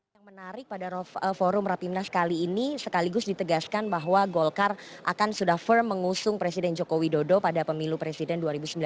yang menarik pada forum rapimnas kali ini sekaligus ditegaskan bahwa golkar akan sudah firm mengusung presiden joko widodo pada pemilu presiden dua ribu sembilan belas